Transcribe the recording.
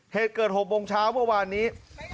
เหตุเกิด๖โมงเช้าเมื่อวานนี้